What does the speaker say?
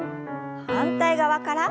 反対側から。